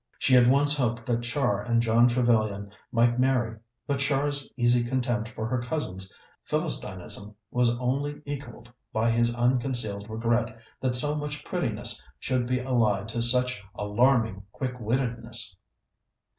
She had once hoped that Char and John Trevellyan might marry; but Char's easy contempt for her cousin's Philistinism was only equalled by his unconcealed regret that so much prettiness should be allied to such alarming quick wittedness.